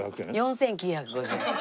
４９５０円。